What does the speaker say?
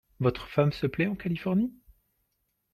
Votre femme se plait en Californie ?